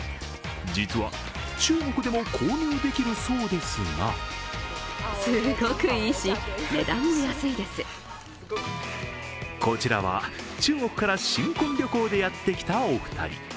実は、中国でも購入できるそうですがこちらは、中国から新婚旅行でやってきたお二人。